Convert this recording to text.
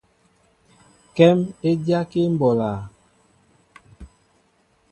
Kém é dyákí mɓolā.